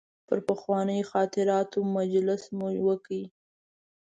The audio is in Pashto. پر پخوانیو خاطراتو مجلس مو وکړ.